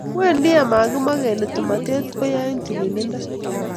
Wendi ama kimwa kele tomotet ko ya eng tililindo.